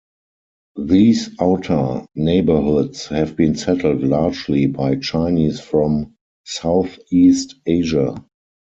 These outer neighborhoods have been settled largely by Chinese from Southeast Asia.